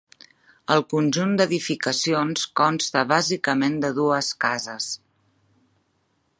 El conjunt d'edificacions consta bàsicament de dues cases.